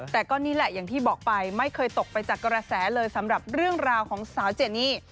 แต่ก็นี่แหละอย่างที่บอกไปไม่เคยตกไปจากกระแสเลยสำหรับเรื่องราวของสาวเจนี่